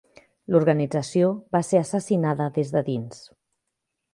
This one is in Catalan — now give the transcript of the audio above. L'organització va ser assassinada des de dins.